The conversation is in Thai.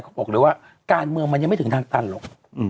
เขาบอกเลยว่าการเมืองมันยังไม่ถึงทางตันหรอก